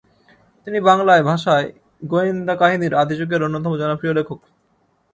তিনি বাংলায় ভাষায় গোয়েন্দা কাহিনির আদি যুগের অন্যতম জনপ্রিয় লেখক।